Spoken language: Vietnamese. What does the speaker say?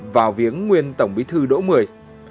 vào viếng nguyên tổng bí thư đỗ mười